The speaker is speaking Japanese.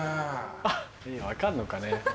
分かんのかね。